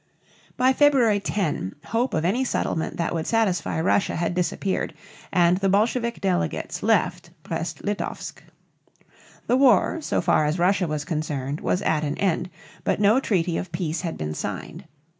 By February 10 hope of any settlement that would satisfy Russia had disappeared and the Bolshevik delegates left Brest Litovsk. The war, so far as Russia was concerned, was at an end, but no treaty of peace had been signed.